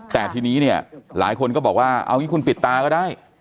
แต่ทีนี้เนี่ยหลายคนก็บอกว่าเอางี้คุณปิดตาก็ได้